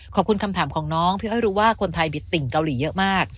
ขอบคุณคำถามของน้องพี่อ้อยรู้ว่าคนไทยบิตติ่งเกาหลีเยอะมาก